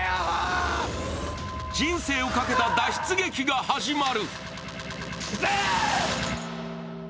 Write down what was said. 人生をかけた脱出劇が始まる。